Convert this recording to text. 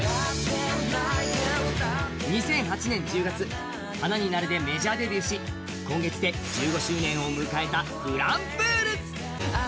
２００８年１０月、「花になれ」でメジャーデビューし今月で１５周年を迎えたｆｌｕｍｐｏｏｌ。